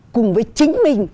cùng với chính mình